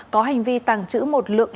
có hành vi tàng trữ một lượng